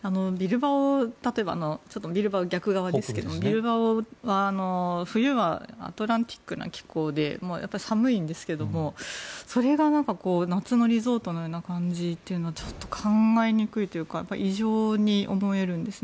例えば、逆側なんですがビルバオは冬はアトランティックな気候で寒いんですけどもそれが夏のリゾートのような感じというのはちょっと考えにくいというか異常に思えるんですね。